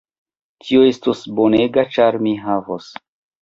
Tio estos bonega ĉar mi havos